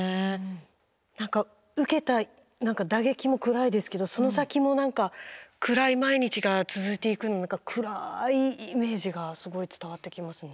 何か受けた打撃も暗いですけどその先も暗い毎日が続いていくのも暗いイメージがすごい伝わってきますね。